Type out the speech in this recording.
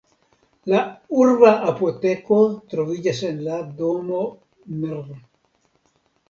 La urba apoteko troviĝas en la domo nr.